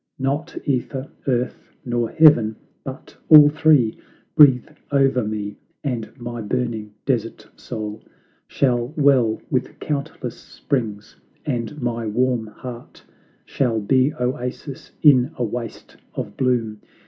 ^ Not ./Ether, Earth nor Heaven, but all three, Breathe o'er me, and my burning desert soul Shall well with countless springs, and my warm heart Shall be oasis in a waste of bloom.